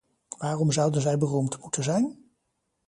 Waarom zouden zij beroemd moeten zijn?